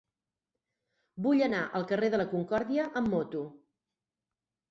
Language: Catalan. Vull anar al carrer de la Concòrdia amb moto.